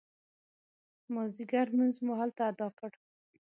مازدیګر لمونځ مو هلته اداء کړ.